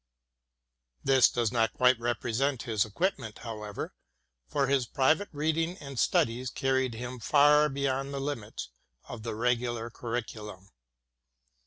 This does not quite represent his equip ment, however, for his private reading and studies carried [11 2 THE GERMAN CLASSICS him far beyond the limits of the regular curriculum.